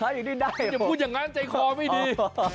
อย่าพูดอย่างนั้นใจคอไม่ดี